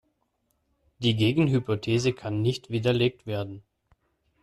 Die Gegenhypothese kann nicht widerlegt werden.